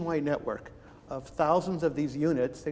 anda memiliki jaringan negara besar